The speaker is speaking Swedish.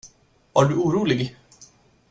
Var du orolig?